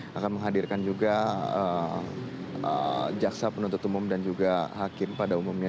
dan akan menghadirkan juga jaksa penuntut umum dan juga hakim pada umumnya